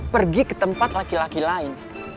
pergi ke tempat laki laki lain